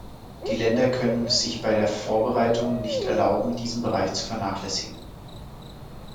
Die Länder können es sich bei der Vorbereitung nicht erlauben, diesen Bereich zu vernachlässigen.